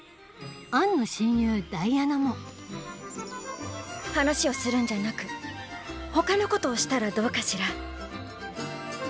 アンの親友ダイアナも話をするんじゃなく他のことをしたらどうかしら？